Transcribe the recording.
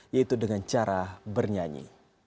yaitu dengan cara bernyanyi